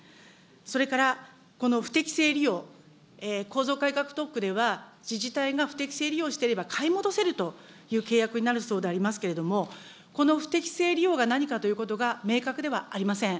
それから、この不適正利用、構造改革特区では、自治体が不適正利用していれば買い戻せるという契約になるそうでありますけれども、この不適正利用が何かということが明確ではありません。